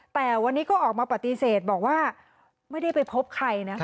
แต่วันนี้ก็ออกมาปฏิเสธบอกว่าไม่ได้ไปพบใครนะคะ